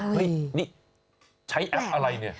เฮ้ยนี่ใช้แอปอะไรเนี่ย